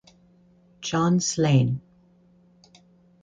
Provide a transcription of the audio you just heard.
John Sleyne